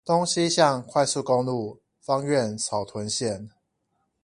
東西向快速公路芳苑草屯線